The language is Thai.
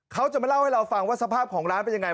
เขาจะมาเล่าให้เราฟังว่าสภาพของร้านเป็นยังไง